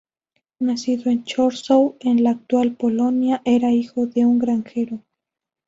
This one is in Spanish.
Nacido en Chorzów, en la actual Polonia, era hijo de un granjero.